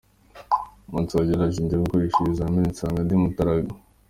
Umunsi warageze njya gukoresha ibizamini nsanga ndi mutaraga !